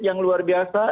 yang luar biasa